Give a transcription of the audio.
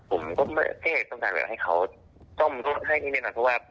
ผมก็แค่ต้องการแบบให้เขาซ่อมรถให้นี่แน่นอนเพราะว่า